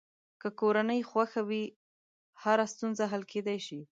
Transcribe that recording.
که کورنۍ خوښه وي، هره ستونزه حل کېدلی شي.